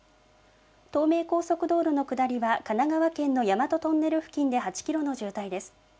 東名高速道路の下りは、神奈川県の大和トンネル付近で８キロの渋滞です。